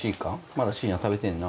まだ信哉食べてえんな。